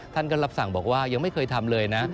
ท่านก็รับสั่งบอกว่ายังไม่เคยทำเลยนะ